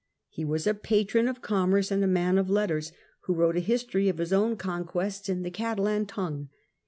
He was a patron of commerce and a man of letters, who wrote a history of his own conquests in the Catalan tongue.